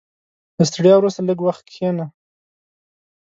• له ستړیا وروسته، لږ وخت کښېنه.